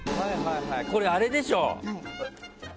これ、あれでしょ。